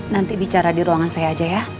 nanti bicara di ruangan saya aja ya